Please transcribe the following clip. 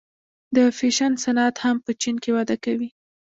د فیشن صنعت هم په چین کې وده کوي.